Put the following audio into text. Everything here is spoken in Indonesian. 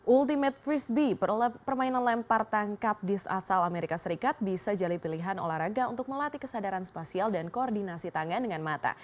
ultimate frisbee permainan lempar tangkap dis asal amerika serikat bisa jadi pilihan olahraga untuk melatih kesadaran spasial dan koordinasi tangan dengan mata